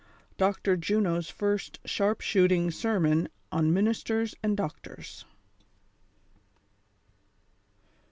DOCTOP JUNO'S FIRST SHAllP SIIOOTING SERMON ON MINISTERS AND DOCTORS.